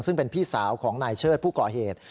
ซึ่งเป็นพี่สาวของนายเชิดผู้ก่อเหตุ